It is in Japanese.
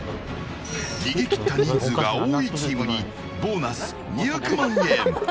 逃げ切った人数が多いチームにボーナス２００万円。